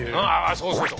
そうそうそう。